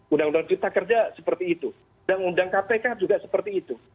undang undang cipta kerja seperti itu undang undang kpk juga seperti itu